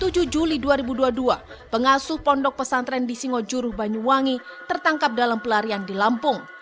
tujuh juli dua ribu dua puluh dua pengasuh pondok pesantren di singojuruh banyuwangi tertangkap dalam pelarian di lampung